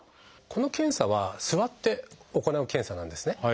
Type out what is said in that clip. この検査は座って行う検査なんですね。